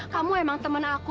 kamu emang temen aku